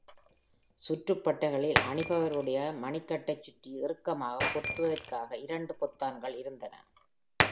சுற்றுப்பட்டைகளில், அணிபவருடைய மணிக்கட்டைச் சுற்றி இறுக்கமாகப் பொருத்துவதற்காக இரண்டு பொத்தான்கள் இருந்தன.